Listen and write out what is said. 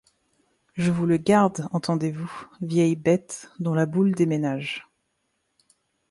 Je vous le garde, entendez-vous, vieille bête, dont la boule déménage!...